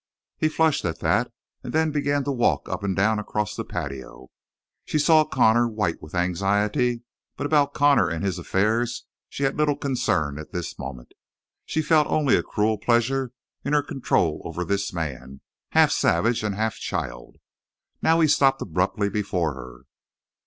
He flushed at that. And then began to walk up and down across the patio. She saw Connor white with anxiety, but about Connor and his affairs she had little concern at this moment. She felt only a cruel pleasure in her control over this man, half savage and half child. Now he stopped abruptly before her.